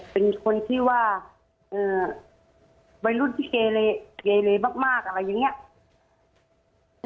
เป็นคนที่ว่าวัยรุ่นที่เกเลเกเลมากอะไรอย่างนี้